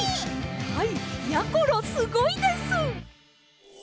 はいやころすごいです！